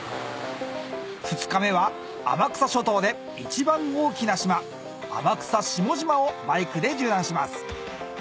２日目は天草諸島で一番大きな島天草下島をバイクで縦断します